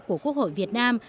của quốc hội việt nam